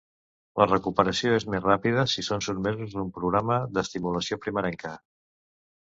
La recuperació és més ràpida si són sotmesos a un programa d'estimulació primerenca.